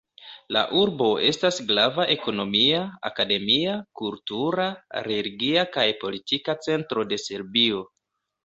La urbo estas grava ekonomia, akademia, kultura, religia kaj politika centro de Serbio.